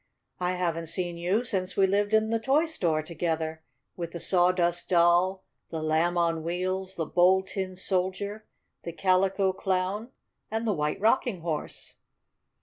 I haven't seen you since we lived in the toy store together, with the Sawdust Doll, the Lamb on Wheels, the Bold Tin Soldier, the Calico Clown and the White Rocking Horse."